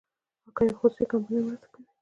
که یوه خصوصي کمپنۍ مرسته کوي.